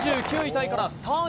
タイから３位